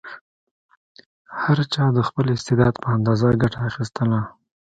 هر چا د خپل استعداد په اندازه ګټه اخیستله.